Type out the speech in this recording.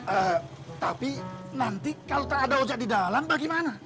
eh tapi nanti kalo gak ada ojak didalam bagaimana